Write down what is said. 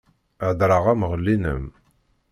Heddreɣ-am ɣellin-am!